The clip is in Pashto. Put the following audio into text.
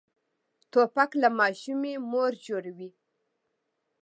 توپک له ماشومې مور جوړوي.